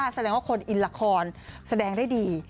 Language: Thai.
แสดงว่าคนอินละครแสดงได้ดี